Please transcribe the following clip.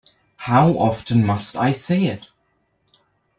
How often must I say it!